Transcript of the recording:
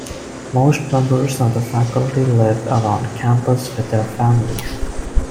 Most members of the faculty live around campus with their families.